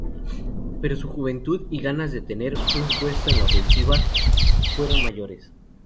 Pero su juventud y ganas de tener un puesto en la ofensiva fueron mayores.